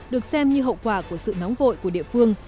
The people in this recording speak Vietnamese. được xem như hậu quả của sự nóng vội của địa phương